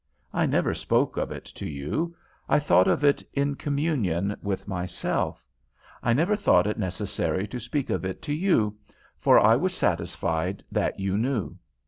I never spoke of it to you; I thought of it in communion with myself; I never thought it necessary to speak of it to you, for I was satisfied that you knew.